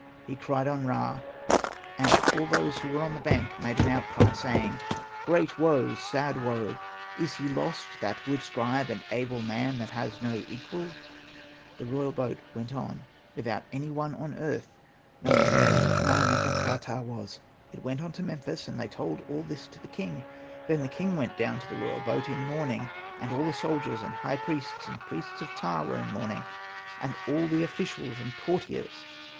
He cried on Ra ; and all those who were on the bank made an outcry, saying, * Great woe ! Sad woe ! Is he lost, that good scribe and able man that has no equal ?''' The royal boat went on, without any one on earth knowing where Na.nefer.ka.ptah was. It went on to Memphis, and they told all this to the king. Then the king went down to the royal boat in mourning, and all the soldiers and high priests and priests of Ptah were in mourning, and all the officials and courtiers.